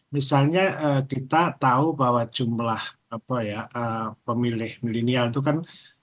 misalnya kita tahu bahwa jumlah pemilih milenial itu kan